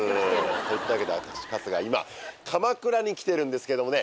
といったわけで私春日は今鎌倉に来てるんですけどもね。